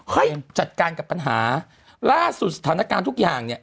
เฮ้ยจัดการกับปัญหาล่าสูตรสถานการณ์ทุกอย่าง